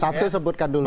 satu sebutkan dulu